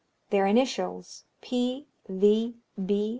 Their initials, P. V. B.